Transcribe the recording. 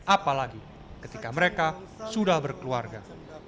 apalagi ketika mereka sudah berkeluarga